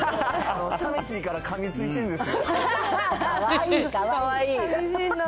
さみしいからかみついてるんですよ。